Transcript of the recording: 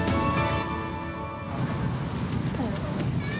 来たよ。